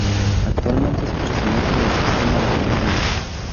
Actualmente es presidente del sistema de pensiones.